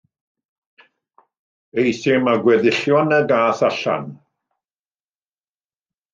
Euthum â gweddillion y gath allan.